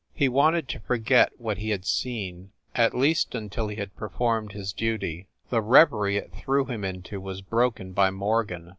He wanted to forget what he had seen at least until he had performed his duty. The reverie it threw him into was broken by Morgan.